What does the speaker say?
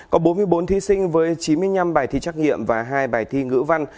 có bốn mươi bốn thí sinh với chín mươi năm bài thi trắc nghiệm và hai bài thi ngữ văn